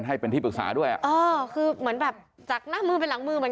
ให้เป็นที่ปรึกษาด้วยอ่ะเออคือเหมือนแบบจากหน้ามือไปหลังมือเหมือน